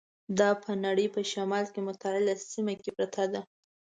دا په نړۍ په شمال متعدله سیمه کې پرته ده.